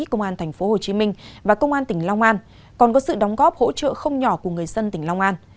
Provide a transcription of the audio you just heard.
công an tp hcm và công an tỉnh long an còn có sự đóng góp hỗ trợ không nhỏ của người dân tỉnh long an